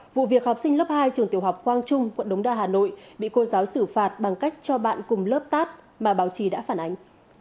vụ việc học sinh lớp hai trường tiểu học quang trung quận đống đa hà nội bị cô giáo xử phạt bằng cách cho bạn cùng lớp tát mà báo chí đã phản ánh